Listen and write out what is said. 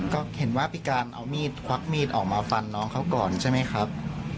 ก็เห็นว่าพี่การเอามีดควักมีดออกมาฟันน้องเขาก่อนใช่ไหมครับ